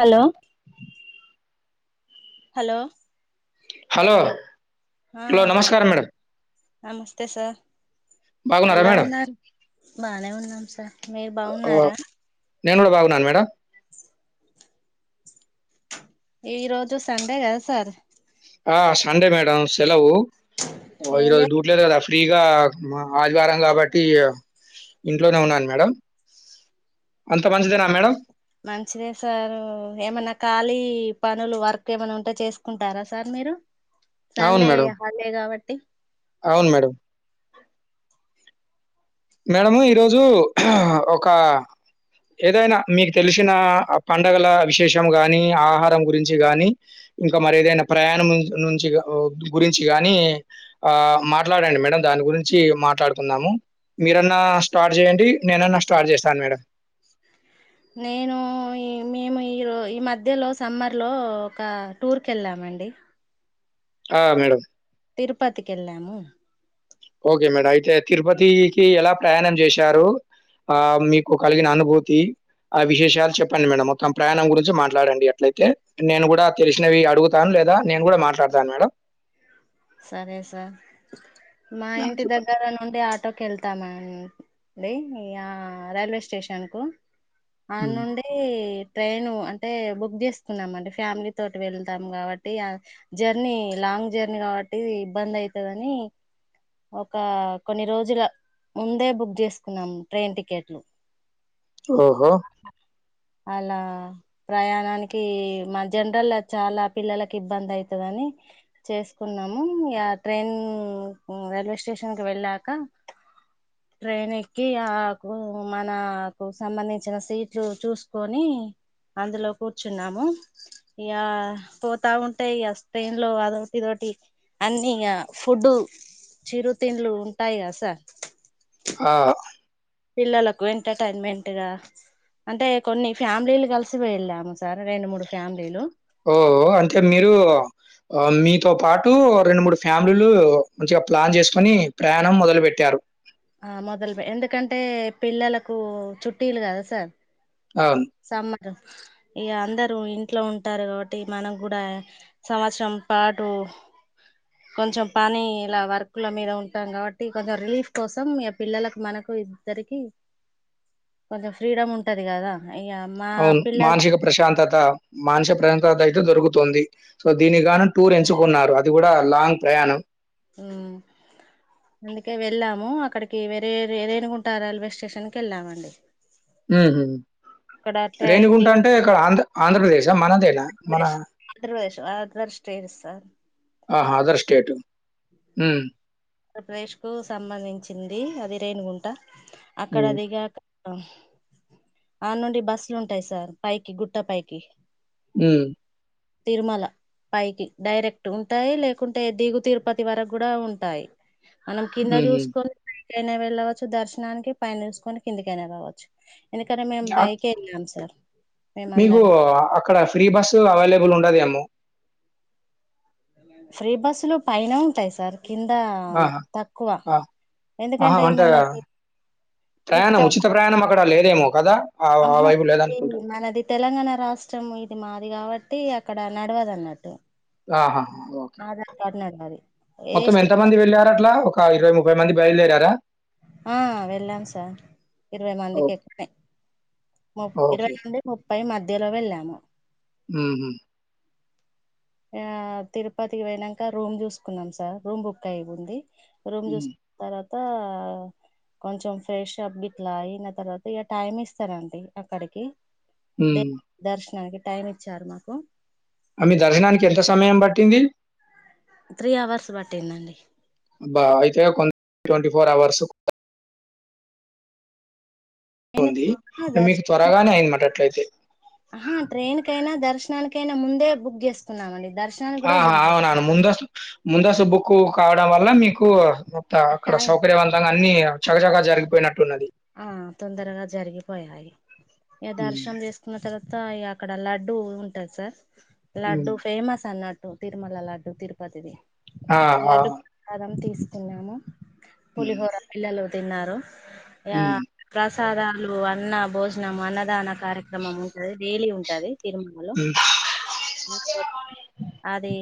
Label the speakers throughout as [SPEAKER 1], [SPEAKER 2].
[SPEAKER 1] Hello hello
[SPEAKER 2] hello
[SPEAKER 1] ఆ
[SPEAKER 2] hello నమస్కారం madam
[SPEAKER 1] నమస్తే సార్
[SPEAKER 2] బాగునారా
[SPEAKER 1] ఎలా
[SPEAKER 2] మేడం
[SPEAKER 1] ఉన్నారు బానే ఉన్నాం సార్ మీరు
[SPEAKER 2] ఆ,
[SPEAKER 1] బాగున్నారా
[SPEAKER 2] నేను కూడా బాగున్నాను మేడం
[SPEAKER 1] ఈ రోజు సండే కదా సార్
[SPEAKER 2] ఆ సండే మేడం సెలవు
[SPEAKER 1] ఏం
[SPEAKER 2] ఈరోజు
[SPEAKER 1] చే
[SPEAKER 2] డూట్లేదు కదా ఫ్రీగా ఆదివారం కాబట్టి ఇంట్లోనే ఉన్నాను మేడం అంత మంచిదేనా మేడం
[SPEAKER 1] మంచిదే సార్ ఏమన్నా ఖాళీ పనులు వర్క్ ఏమన్నా ఉంటే చేసుకుంటారా సార్ మీరు
[SPEAKER 2] అవును
[SPEAKER 1] సండే
[SPEAKER 2] మేడం
[SPEAKER 1] హాలిడే కాబట్టి
[SPEAKER 2] అవును మేడం మేడము ఈరోజు ఖ ఒక ఏదైనా మీకు తెలిసిన పండగల విశేషం గాని ఆహారం గురించి గాని ఇంకా మరి ఏదైనా ప్రయాణం నుంచి గురించి గాని ఆ మాట్లాడండి మేడం దాని గురించి మాట్లాడుకుందాము మీరన్నా స్టార్ట్ చేయండి నేనన్నా స్టార్ట్ చేస్తాను మేడం.
[SPEAKER 1] నేను ఈ మేము ఈరో ఈ మధ్యలో సమ్మర్ లో ఒక టూర్కి వెళ్ళామం అండి
[SPEAKER 2] ఆ మేడం
[SPEAKER 1] తిరుపతికి వెళ్ళాము
[SPEAKER 2] ఓకే మేడం అయితే తిరుపతికి ఎలా ప్రయాణం జెశారు ఆ మీకు కలిగిన అనుభూతి ఆ విశేషాలు చెప్పండి మేడం మొత్తం ప్రయాణం గురించి మాట్లాడండి అట్లయితే నేను గూడా తెలిసినవి అడుగుతాన లేదా నేను గూడా మాట్లాడతాన మేడం
[SPEAKER 1] సరే సార్ మా
[SPEAKER 2] ఆ!
[SPEAKER 1] ఇంటి
[SPEAKER 2] చెప్పండి.
[SPEAKER 1] దగ్గర నుండి ఆటోకి ఎల్తాం హ్మ్మ్ డి హీ ఆ రైల్వే స్టేషన్ కు అడ
[SPEAKER 2] హ్మ్.
[SPEAKER 1] నుండి ట్రైను అంటే బుక్ జేసకున్నాం అంటే ఫ్యామిలీ తోటి వెళ్తాం కాబట్టి ఆ జర్నీ లాంగ్ లాంగ్ జర్నీ కాబట్టి ఇబండీ అయితదని ఒక కొన్ని రోజూలా ముందే బుక్ జెసకున్నాం ట్రైన్ టికెట్లు
[SPEAKER 2] ఓహో
[SPEAKER 1] అలా ప్రయాణానికి మ జనరల్ చాలా పిల్లలకి ఇబ్బంది అయితదఅన్నీ చేసుకున్నాముహు యా ఆ ట్రైన్ హ్మ్మ్ రైల్వే స్టేషన్ కి వెళ్ళాక ట్రైన్ ఏకి ఆకు మనా కు సంబంధి ఇచ్చినా సీట్లు చూసుకొని అందులో కూర్చున్నాము ఇగా పోతా ఉంటే ఇగా వస్తుండ్లో అదొకటి ఇదొకటి అన్నీ ఇగ ఫుడ్ చిరుతిండ్లు ఉంటాయి గా సార్
[SPEAKER 2] ఆ
[SPEAKER 1] పిల్లలకు ఎంటర్‌టైన్‌మెంట్‌గా అంటే కొన్ని ఫ్యామిలీలు గలిసి వెళ్ళాము సార్ రెండు మూడు ఫ్యామిలీలు
[SPEAKER 2] ఓ ఓ అంటే మీరు ఆ మీతో పాటు రెండు, మూడు ఫ్యామిలీలు మంచిగా ప్లాన్ జెసుకొని ప్రయాణం మొదలు పెట్టారు
[SPEAKER 1] ఆ మొదలు బెట్ ఎందుకంటే పిల్లలకు చుట్టటీలు కదా సార్
[SPEAKER 2] అవును
[SPEAKER 1] గ ఇగ అందరుూ ఇంట్లో ఉంటారు గాబట్టి మనం గూడా సంవత్సరం పాటు హా. కొంచం పన్ని లా, వర్క్ లా మీద ఉంటాం గాబట్టి. కొంచం రిలీఫ్ కోసం య పిల్లలకు మనకు. ఇద్దరికి
[SPEAKER 2] ఆ.
[SPEAKER 1] కొంచం ఫ్రీడమ్ ఉంటాది గదా
[SPEAKER 2] అవును మానసిక ప్రశాంత మానసిక ప్రశాంత అయి తే దొరుకుతుంది సో దీని గా నాన్ టూర్ ఎంచుకున్నారు అది గూడా లాంగ్ ప్రయాణం
[SPEAKER 1] హ్మ్. అందుకే వెళ్ళాము అక్కడికి వేరే రేనుగుంట రైల్వే స్టేషన్ కి ఎల్లాం అండి
[SPEAKER 2] ఉ హు హ్మ్మ్ రేణిగుంట
[SPEAKER 1] దిగి
[SPEAKER 2] అంటే ఇక్కడ ఆంధ్ర ఆంధ్రప్రదేశా మనదేనా మనా
[SPEAKER 1] ఆంద్రప్రదేశ్ ఆదర్ స్టేట్ సర్
[SPEAKER 2] ఆహా ఆదర్ స్టేట్ హ్మ్మ్
[SPEAKER 1] ఆంధ్రప్రదేశ్ కు సంబంధించింది అది రేణుగుంట అక్కడ
[SPEAKER 2] హ్మ్.
[SPEAKER 1] దిగాక ఆహా అడ నుండి బస్సులు ఉంటాయి సార్ పైకి గుట్ట పైకి
[SPEAKER 2] హ్మ్
[SPEAKER 1] తిరుమల పైకి డైరెక్ట్ ఉంటాయి లేకుంటే దిగు తిరుపతి వరకు గూడా ఉంటాయి మనం కింద
[SPEAKER 2] హుహు.
[SPEAKER 1] జూసుకొని పైకి ఏటైనా వెళ్ళవచ్చు దర్శనానికి పైన జూసుకొని కిందికైయినా కావచ్చు ఎందుకరా మేము
[SPEAKER 2] అక్
[SPEAKER 1] బైక్ ఎళ్ళం సార్
[SPEAKER 2] మీకు
[SPEAKER 1] మేమందరం
[SPEAKER 2] అక్కడ ఫ్రీ బస్సు అవైలబుల్ ఉండదేమో.
[SPEAKER 1] ఫ్రీ బస్సులు పైన ఉంటాయి సార్. కింద
[SPEAKER 2] ఆహా!
[SPEAKER 1] తక్కువ
[SPEAKER 2] ఆ! ఆహా!
[SPEAKER 1] ఎందుకంటే
[SPEAKER 2] అంటే
[SPEAKER 1] మనది
[SPEAKER 2] ప్రయాణం
[SPEAKER 1] ఇక్కడ
[SPEAKER 2] ఉచిత ప్రయాణం అక్కడ లేదేమో కదా! ఆ ఆ
[SPEAKER 1] ఆహా
[SPEAKER 2] వైపు లేదనుకుంటా.
[SPEAKER 1] ఇది మనది తెలంగాణ రాష్ట్రము ఇది మా అది కాబట్టి అక్కడ నడవదన్నట్టు.
[SPEAKER 2] ఆహా ఓకే
[SPEAKER 1] నడవది ఏ
[SPEAKER 2] మొత్తం ఎంత
[SPEAKER 1] స్టేట్
[SPEAKER 2] మంది వెళ్ళారట్లా ఒక ఇరవై ముప్పై మంది బయలుదేరా
[SPEAKER 1] ఆ వెళ్ళాం సార్ ఇరవై మందికి
[SPEAKER 2] ఓకే.
[SPEAKER 1] ఎక్కువనే ము ఇరవై
[SPEAKER 2] ఓకే.
[SPEAKER 1] నుండి ముప్పై మధ్యలో వెళ్ళాము.
[SPEAKER 2] మ్మ్ హ్మ్
[SPEAKER 1] ఆ తిరుపతికి పోయినంక రూమ్ చూసుకున్నాం సార్ రూమ్ బుక్ అయి ఉంది. రూమ్
[SPEAKER 2] హ్మ్.
[SPEAKER 1] చూసుకున్న తర్వాత కొంచం ఫ్రెష్ అప్ గిట్లాయిన తర్వాత ఇగ టైమ్ ఇస్తారండి అక్కడికి. దె
[SPEAKER 2] హ్మ్.
[SPEAKER 1] దర్శనానికి టైం ఇచ్చారు మాకు.
[SPEAKER 2] ఆ మీ దర్శనానికి ఎంత సమయం పట్టింది.
[SPEAKER 1] త్రీ అవర్స్ పట్టింది అండి.
[SPEAKER 2] Twenty four hours.
[SPEAKER 1] నేను
[SPEAKER 2] ఉంది మీకు
[SPEAKER 1] దర్శనం
[SPEAKER 2] త్వరగానే అయింది అనమాట అట్లయితే.
[SPEAKER 1] ఆహా ట్రైన్ కైనా దర్శనానికైనా ముందే బుక్ చేసుకున్నామండి దర్
[SPEAKER 2] ఆహా అవున ముందస్తు ముందస్తు బుక్కు కావడం వల్ల మీకు. మొత్తం అక్కడ
[SPEAKER 1] టైం
[SPEAKER 2] సౌకర్యవంతంగా అన్ని చకచకా జరిగిపోయినట్టు.
[SPEAKER 1] ఆ తొందరగా జరిగిపోయాయి ఇగ
[SPEAKER 2] హ్మ్.
[SPEAKER 1] దర్శనం చేసుకున్న తర్వ త ఇగ అక్కడ లడ్డూ ఉంటాది సార్
[SPEAKER 2] హ్మ్.
[SPEAKER 1] లడ్డు ఫేమస్ అన్న తిరుమల లడ్డు తిరుపతిది
[SPEAKER 2] ఆ! ఆ!
[SPEAKER 1] లడ్డు ప్రసాదం తీసుకున్నాము.
[SPEAKER 2] హ్మ్.
[SPEAKER 1] పులిహోర పిల్లలు తిన్నరు ఇగ
[SPEAKER 2] హ్మ్.
[SPEAKER 1] ప్రస్ సాదలు అన్న భోజనం అన్నదాన కార్యక్రమం ఉంటాది డైలీ ఉంటాది. తిరుమాలో
[SPEAKER 2] హ్మ్.
[SPEAKER 1] అది.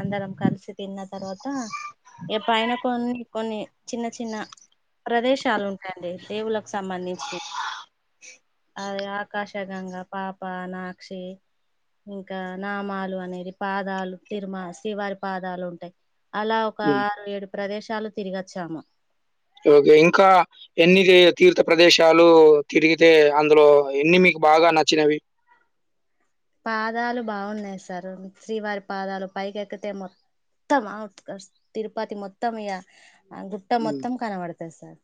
[SPEAKER 1] అందరం కలిసి తిన్న తర్వాత ఇగ పైన కొన్ని కొన్ని చిన్న చిన్న ప్రదేశాలు ఉంటాయండి దేవుళ్ళలకు సంబంధించినయి అదే ఆకాశ గంగా పాప నాక్షి ఇంకా నామాలు అనేది పాదాలు తిరుమ శ్రీవారి పాదాలు ఉంటాయి అలా ఒక
[SPEAKER 2] హ్మ్.
[SPEAKER 1] ఆరు ఏడు ప్రదేశాలు తిరిగొచ్చాము
[SPEAKER 2] ఓకే ఇంకా ఎన్ని తీర్థ ప్రదేశాలు తిరిగితే అందులో ఎన్ని మీ కు బాగా నచ్చినవి
[SPEAKER 1] పాదాలు బాగున్నాయి సార్ శ్రీవారి పాదాలు పైకెక్కితే మొ త్తం తిరుపతి మొత్తం ఇగ గుట్ట మొత్తం కనబడుతది సార్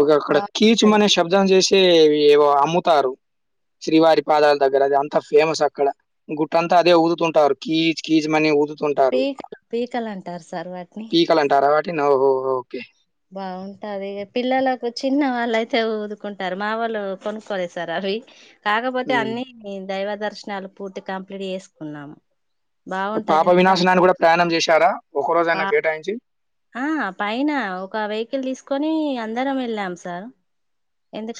[SPEAKER 2] ఒక అక్కడ
[SPEAKER 1] బాగుంటది
[SPEAKER 2] కీచుమనే శబ్దం చేసేవివో అమ్ముతారు శ్రీవారి పాదాల దగ్గర అది అంతా ఫేమస్ అక్కడ గుట్టంతా అదే ఊదుతుంటారు కీజ్ కీజ్ మనీ ఊదు తుంటారు
[SPEAKER 1] పీకలు పీకలు అంటారు సార్ వాటిని
[SPEAKER 2] పీకలు అంటారా వాటిని ఓహో ఓకే
[SPEAKER 1] బాగుంటది పిల్లలకు చిన్న వాళ్ళయితే ఊదుకుంటారు మా వాళ్ళు కొనుక్కోలేసారు యి కాకపోతే
[SPEAKER 2] హ్మ్.
[SPEAKER 1] అన్ని దైవ దర్శనాలు పూర్తి కంప్లీట్ చేసుకున్నాము బాగుంటది
[SPEAKER 2] పాప
[SPEAKER 1] ఎందుకంటే
[SPEAKER 2] వినాశనాన్ని కూడా ప్రయాణం చేశారా
[SPEAKER 1] పా ఆ పైన ఒక వెహికల్ తీసుకు కొని అందరం వెళ్ళాం సార్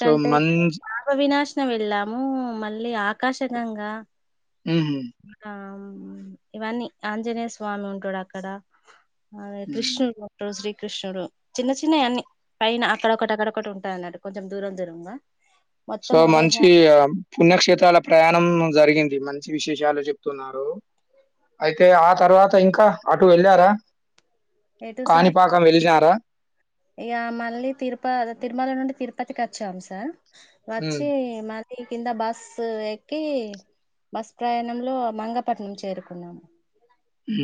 [SPEAKER 2] సో, మంచి
[SPEAKER 1] పాప వినాశనం వెళ్ళాము మళ్ళీ ఆకాశంగా
[SPEAKER 2] హుహు.
[SPEAKER 1] ఇంకా ఇవన్నీ ఆంజనేయ స్వామి ఉంటాడు అక్కడ అదే
[SPEAKER 2] హ్మ్.
[SPEAKER 1] కృష్ణుడు ఉంటడు శ్రీ కృష్ణుడు చిన్న చిన్నయి అన్నీ పైన అక్కడొకటి అక్కడ ఒకటి ఉంటాయి అన్నట్టు కొంచెం దూరం దూరంగా మొత్తం
[SPEAKER 2] సో మంచి
[SPEAKER 1] ఒకటేసారి
[SPEAKER 2] ఆ పుణ్యక్షేత్రాల ప్రయాణం జరిగింది మంచి విశేషాలు చెప్తున్నారు అయితే ఆ తర్వాత ఇంకా అటు వెళ్ళారా
[SPEAKER 1] ఎటు సార్ ఇక మళ్ళీ తిరుప తిరుమల నుండి తిరుప ప్పతికి వచ్చాం సర్
[SPEAKER 2] హ్మ్.
[SPEAKER 1] వచ్చి మళ కింద బస్సు ఎక్కి బస్ ప్రయాణంలో మంగపట్నం చేరుకున్నాము
[SPEAKER 2] ఊ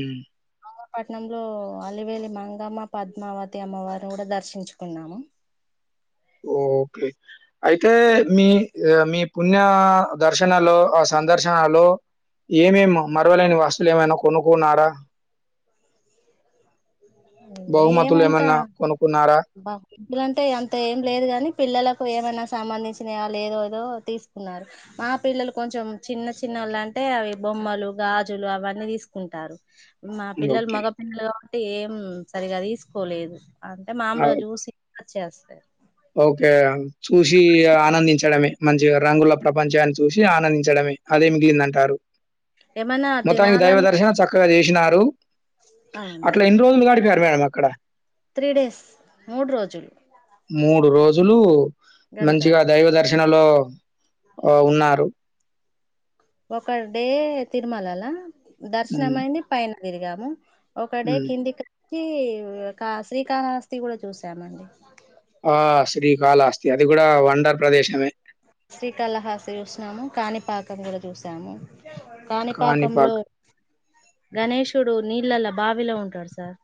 [SPEAKER 1] మంగపట్నంలో అలివేలి మంగమ్మ పద్మావతి అమ్మవారిని కూడా దర్శించుకున్నాము
[SPEAKER 2] ఓకే అయితే మీ మీ పుణ్య దర్శనాలో ఆ స సందర్శనలో ఏమే మరవలేని వస్తులు ఏమైనా కొనుక్కున్నారా బహుమతులు ఎమన్న కొనుకు
[SPEAKER 1] బహుమతులంటే అంత ఏం లేదు గాని పిల్లలకు ఏమనా సంబంధించిన వాళ్ళు ఏదో ఏదో తీసుకున్నారు మా పిల్లలు కొంచెం చిన్న చిన్న వాళ్ళు అంటే అవి బొ బొమ్మలు గాజులు అవన్నీ తీసుకుంటారు మా పిల్లలు
[SPEAKER 2] ఓకే.
[SPEAKER 1] మగ పిల్లలు కాబట్టి ఏం సరిగా తీసుకోలేదు అ టే
[SPEAKER 2] ఆ!
[SPEAKER 1] మమ్లుగా చూసి వచ్చస్తరు
[SPEAKER 2] ఓకే చూసి ఆనందించడమే మంచిగా రంగుల ప్రపంచాన్ని చూసి ఆనందించడమే అదే మిగిలిందంటారు
[SPEAKER 1] ఏమన్నా
[SPEAKER 2] మొత్తానికి దైవ
[SPEAKER 1] తినాలని
[SPEAKER 2] దర్శనం చక్కగా చెషి నారు
[SPEAKER 1] అవునా
[SPEAKER 2] అట్లా ఎన్ని రోజులు గడిపారు మేడం అక్కడ
[SPEAKER 1] త్రీ డేస్ మూడు రోజులు
[SPEAKER 2] మూడు రోజులు మంచిగా
[SPEAKER 1] గడిపాము
[SPEAKER 2] దైవ దర్శనలో ఉన్నారు
[SPEAKER 1] ఒక డే తిరుమలలా దర్శనం
[SPEAKER 2] హ్మ్.
[SPEAKER 1] అయింది పైన తిరిగాము ఒకడే
[SPEAKER 2] హ్మ్.
[SPEAKER 1] కిందికిి వచ్చి శ్రీకాళహస్తి కూడా చూసామండి
[SPEAKER 2] ఆ శ్రీకాళ అస్తి అది కూడా వండర్ ప్రదేశమే
[SPEAKER 1] శ్రీకాళహాసి చూసినాము కాణిపాకం కూడా చూసాము కాణిపాకంలో
[SPEAKER 2] కాణిపాక్.
[SPEAKER 1] గణేషుడు నీళ్ళల బావిలో ఉంటాడు సార్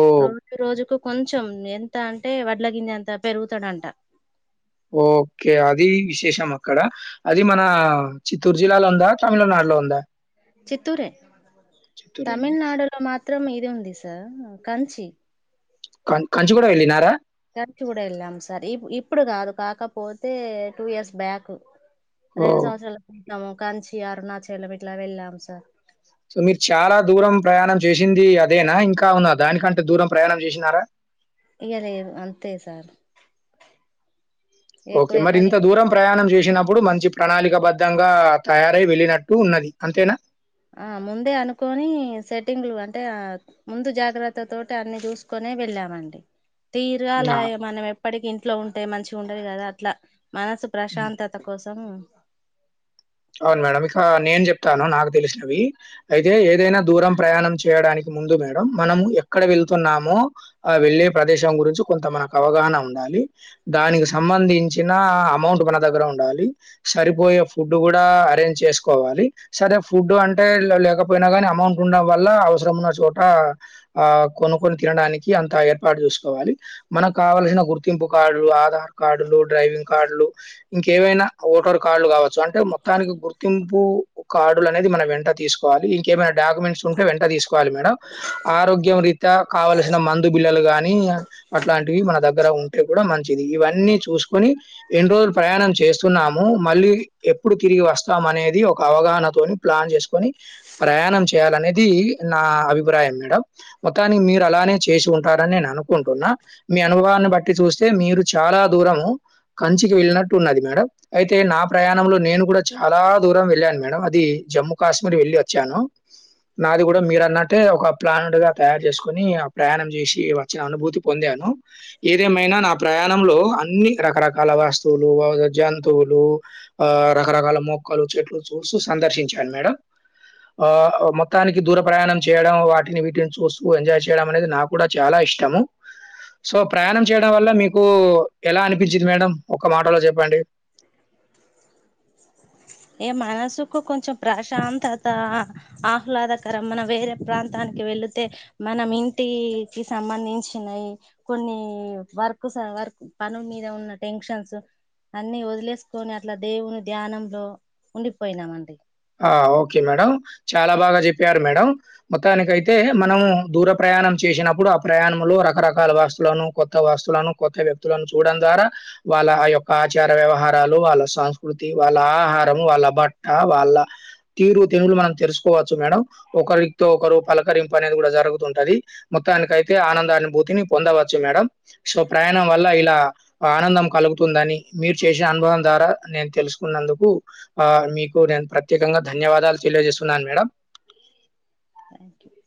[SPEAKER 2] ఓహ్!
[SPEAKER 1] రోజు రోజుకు కొంచెం ఎంత అంటే వడ్ల గింజ అంత పెరుగుతడంట
[SPEAKER 2] ఓకే అది విశేషం అక్కడ అది మన చిత్తూరు జిల్లాలో ఉందా తమిళనాడు లోంద
[SPEAKER 1] చిత్తూరే తమిళనాడులో మాత్రం చిత్రం ఇది ఉంది సార్ కంచి
[SPEAKER 2] కం కంచి కూడా వెళ్ళినారా
[SPEAKER 1] కంచి కూడా వెళ్ళాము సార్ ఇ ఇప్పుడు కాదు కాకపోతే టూ ఇయర్స్ బ్యాక్ రెండు
[SPEAKER 2] ఓహ్!
[SPEAKER 1] సంవత్సరాల క్రితము కంచి అరణాచలం ఇట్లా వెళ్ళాం సార్
[SPEAKER 2] సో మీరు చాలా దూరం ప్రయాణం చేసింది అదేనా ఇంకా ఉన్నా దానికంటే దూరం ప్రయాణం చేసినారా
[SPEAKER 1] ఇగ లేదు అంతే సార్
[SPEAKER 2] ఓకే
[SPEAKER 1] ఎక్కువ
[SPEAKER 2] మరి
[SPEAKER 1] వెళ్ళలే
[SPEAKER 2] ఇంత దూరం ప్రయాణం చేస్ సినప్పుడు మంచి ప్రణాళికబద్ధంగా తయారై వెళ్ళినట్టు ఉన్నది అంతేనా
[SPEAKER 1] ఆ ముందే అనుకోని సెట్టింగ్లు అంటే ముందు జాగ్రత్త తోటి అన్ని చూసుకొని నే వెళ్ళామండి తీరగాాల
[SPEAKER 2] ఆ!
[SPEAKER 1] మనం ఎప్పటికి ఇంట్లో ఉంటే మంచిగా ఉండది కదా అట్లా మనసు
[SPEAKER 2] హ్మ్.
[SPEAKER 1] ప్రశాంతత కోసం
[SPEAKER 2] అవును మేడం ఇక నేను చెప్తాను నాకు తెలిసినవి అయితే ఏదైనా దూరం ప్రయాణం చేయడానికి ముందు మేడం మనము ఎక్కడ వెళ్తున్నామో ఆ వెళ్ళే ప్రదేశం గురించి కొంత మనకు అవగాహన ఉండాలి. దానికి సంబంధించిన అమౌంట్ మన దగ్గర ఉండాలి సరిపోయే ఫుడ్ ఫుడ్ కూడా అరేంజ్ చేసుకోవాలి సరే ఫుడ్ అంటే లేకపోయినా కానీ అమౌంట్ ఉండడం వల్ల అవసరం ఉన్న చోట ఆ కొనుక్కోని తినడానికి అంత ఏర్పాటు చేసుకోవాలి మనకు కావల్సిన గుర్తింపు కార్డులు ఆధార్ కార్డులు డ్రైవింగ్ కార్డులు ఇంకేవైనా ఓటర్ కార్డులు కావచ్ సు అంటే మొత్తానికి గుర్తింపు కార్డులు అనేది మనం వెంట తీసుకోవాలి ఇంకేమైనా డాక్యుమెంట్స్ ఉంటే వెంట తీసుకోవాలి మేడం ఆరోగ్యం రీత కావల్సిన మందు బిల్లలు గానీ అట్లాంటివి మన దగ్ గర ఉంటే కూడా మంచిది ఇవన్నీ చూసుకొని ఎన్ని రోజులు ప్రయాణం చేస్తున్నాము మళ్ళీ ఎప్పుడు తిరిగి వస్తాం అనేది ఒక అవగాహనతోని ప్లాన్ చేసుకొని ప్రయాణం చేయాలనేది నా అభిప్రాయం మేడం మొత్తానికి మీరు అలానే చేసి ఉంటారని నేను అనుకుంటున్నా మీ అనుభవ న బట్టి చూస్తే మీరు చాలా దూరం కంచికి వెళ్ళినట్టు ఉన్నది మేడం అయితే నా ప్రయా ణం లో నేను కూడా చాలా దూరం వెళ్ళాను మేడం అది జమ్మూ కాశ్మీర్ వెళ్ళి వచ్చాను. నాది కూడ మీరు అన్నట్టే ఒక ప్లానట్ గా తయారు చేసుకుొని ఆ ప్రయాణం చేసి వచ్చిన అనుభూతి పొందాను ఏదేమైనా నా ప్రయా ప్రాణం లో అన్ని రకరకాల వస్తువులు జంతువులు ఆ రకరకాల మొక్కలు చెట్లు చూస్తూ సందర్శించాను మేడం ఆ మొత్తానికి దూర ప్రయాణం చేయడం వాటిని వీటిని చూస్తూ ఎంజాయ్ చేయడం అనేది నాకు కూడా చాలా ఇష్టము సో ప్రయాణం చేయడం వల్ల మీకు ఎలా అనిపించిది మేడం ఒక మాటలో చెప్పండి.
[SPEAKER 1] ఏ మనసుకు కొంచెం ప్రశాంతత ఆహ్లాదకరం మన వేరే ప్రాంత నక్కి వెళ్ళితే మనం ఇంటికి సంబంధించినవి కొన్ని వర్క్ వర్ పనుల మీద ఉన్న టెన్షన్స్ అన్ని వదిలేస్ కొని అట్లా దేవుని ధ్యానంలో ఉండిపోయినామండి
[SPEAKER 2] ఆ ఓకే మేడం చాలా బాగా చెప్పారు మేడం మొత్తానికయితే మనం దూర ప్రయా ప్రయాణం చేసినప్పుడు ఆ ప్రయాణంలో రకరకాల వస్తువులను కొత్త వస్తువులను కొత్త వ్యక్తులను చూడడం ద్వారా వాళ్ళ ఆ యొక్క ఆచార వ్యవహారాలు వాళ్ళ సంస్కృతి వాళ్ళ ఆహారం వాళ్ళ బట్ట వాళ్ళ తీరు తెనులు మనం తెసుకోవచ్చు మేడం ఒకరిక్తో ఒకరు పలకరింపు అనేది కూడా జరుగుతుంటది. మొత్తానికైతే ఆనందానుభూతిని పొందవచ్చు మేడం సో ప్రయాణం వల్ల ఇలా ఆనందం కలుగుతుందని మీరు చేసిన అనుభవం ద్వారా నేను తెలుసుకున్నందుకు ఆ మీకు నేను ప్ర త్యేకంగా ధన్యవాదాలు తెలియజేస్తున్నాను మేడం
[SPEAKER 1] థ్యాంక్ యూ